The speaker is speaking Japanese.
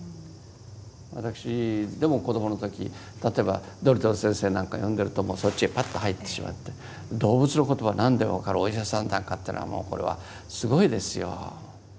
私でも子どもの時例えば「ドリトル先生」なんか読んでるともうそっちへパッと入ってしまって動物の言葉何でも分かるお医者さんなんかっていうのはもうこれはすごいですよ。